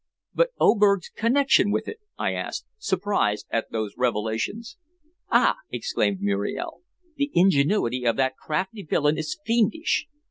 "But Oberg's connection with it?" I asked, surprised at those revelations. "Ah!" exclaimed Muriel. "The ingenuity of that crafty villain is fiendish.